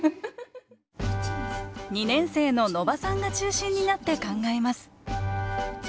２年生の野場さんが中心になって考えます